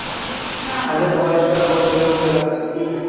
তাদের বয়স বারো বছরের মত লাগছে।